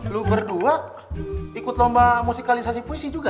lu berdua ikut lomba musikalisasi puisi juga